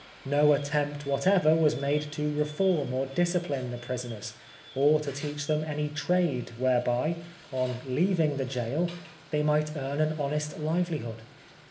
No attempt whatever was made to reform or discipline the prisoners, or to teach them any trade whereby, on leaving the gaol, they might earn an honest livelihood.